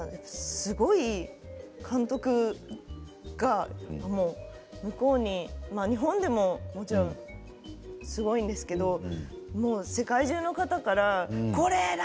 すごい監督が向こうに日本でも、もちろんすごいんですけれど世界中の方から是枝！